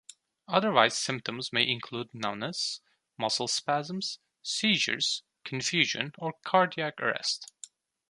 Otherwise symptoms may include numbness, muscle spasms, seizures, confusion, or cardiac arrest.